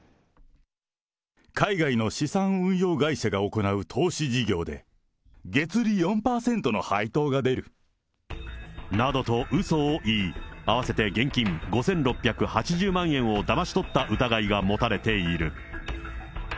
海外の資産運用会社が行う投資事業で、などとうそを言い、合わせて現金５６８０万円をだまし取った疑いが持たれている。